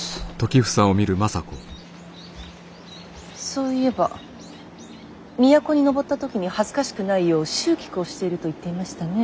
そういえば都に上った時に恥ずかしくないよう蹴鞠をしていると言っていましたね。